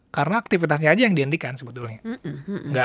karena aktivitasnya aja yang dihentikan sebetulnya